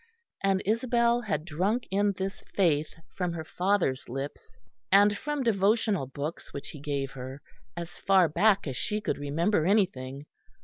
And Isabel had drunk in this faith from her father's lips, and from devotional books which he gave her, as far back as she could remember anything.